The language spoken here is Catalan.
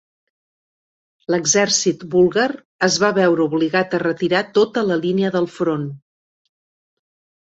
L'exèrcit búlgar es va veure obligat a retirar tota la línia del front.